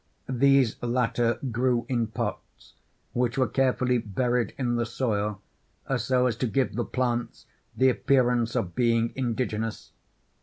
These latter grew in pots which were carefully buried in the soil, so as to give the plants the appearance of being indigenous.